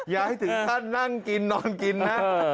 อย่าให้ถึงขั้นนั่งกินนอนกินนะ